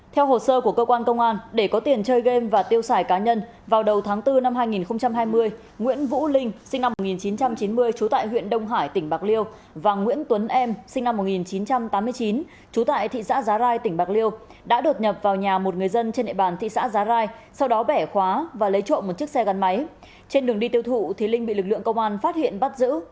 trên đường đi tiêu thụ thí linh bị lực lượng công an phát hiện bắt giữ